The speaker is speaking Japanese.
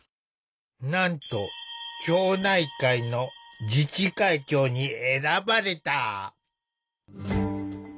なんと町内会の自治会長に選ばれた。